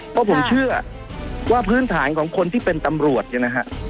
เพราะผมเชื่อว่าพื้นฐานของคนที่เป็นตำรวจเนี่ยนะฮะ